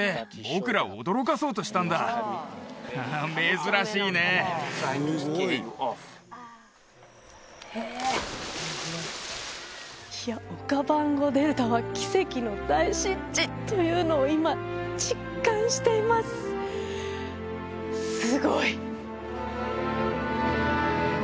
珍しいねいやオカバンゴ・デルタは奇跡の大湿地というのを今実感していますすごい！